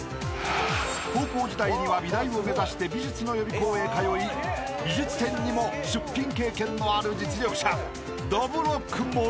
［高校時代には美大を目指して美術の予備校へ通い美術展にも出品経験のある実力者どぶろっく森］